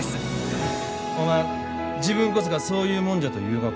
おまん自分こそがそういう者じゃと言うがか？